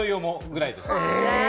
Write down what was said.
え！